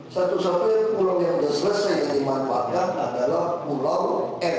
satu satunya pulau yang sudah selesai jadi manfaatnya adalah pulau m